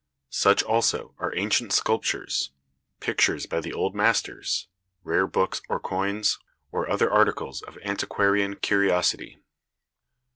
Such also are ancient sculptures; pictures by the old masters; rare books or coins, or other articles of antiquarian curiosity.